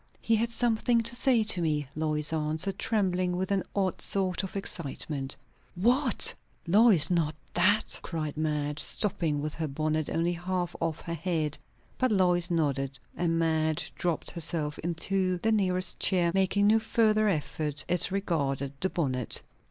"He had something to say to me," Lois answered, trembling with an odd sort of excitement. "What? Lois, not that?" cried Madge, stopping with her bonnet only half off her head. But Lois nodded; and Madge dropped herself into the nearest chair, making no further effort as regarded the bonnet.